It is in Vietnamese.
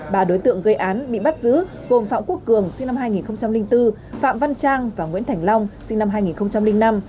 ba đối tượng gây án bị bắt giữ gồm phạm quốc cường sinh năm hai nghìn bốn phạm văn trang và nguyễn thành long sinh năm hai nghìn năm